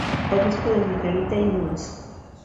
Obispo de Margarita y Mons.